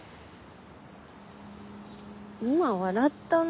今笑ったな？